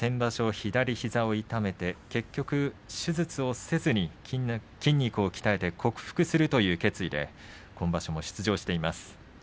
左膝を痛めて結局手術をせずに筋肉を鍛えて克服するという決意で今場所も出場しています。